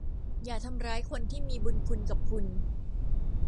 อย่าทำร้ายคนที่มีบุญคุณกับคุณ